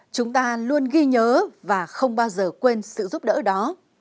chúng ta luôn ghi nhớ và không bao giờ quên sự giúp đỡ đó